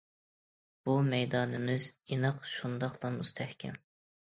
بۇ مەيدانىمىز ئېنىق شۇنداقلا مۇستەھكەم.